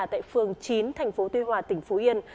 tại phường chín thành phố tuy hòa tỉnh phú yên